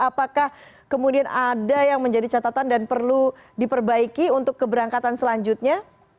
apakah kemudian ada yang menjadi catatan dan perlu diperbaiki untuk keberangkatan selanjutnya